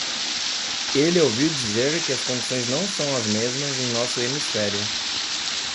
Ele ouviu dizer que as condições não são as mesmas em nosso hemisfério.